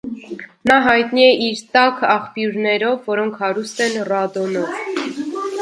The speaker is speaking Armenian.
Նա հայտնի է իր տաք աղբյուրներով, որոնք հարուստ են ռադոնով։